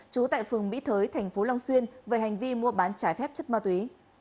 chú tại phường mỹ thới tp long xuyên về hành vi mua bán trải phép chất ma túy